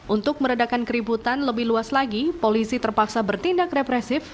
untuk meredakan keributan lebih luas lagi polisi terpaksa bertindak represif